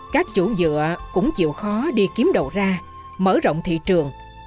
các chủ dựa cũng chịu khó đi kiếm đầu ra mở rộng thị trường